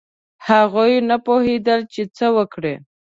هغوی نه پوهېدل چې څه وکړي.